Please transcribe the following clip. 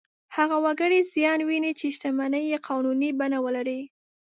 هغه وګړي زیان ویني چې شتمنۍ یې قانوني بڼه ولري.